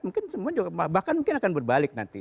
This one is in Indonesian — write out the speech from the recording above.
mungkin semua juga bahkan mungkin akan berbalik nanti